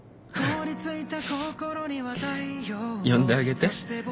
呼んであげて。